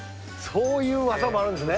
そういう技もあるんですね。